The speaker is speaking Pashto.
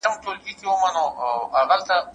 ارامي د فکر کولو لپاره ښه ده.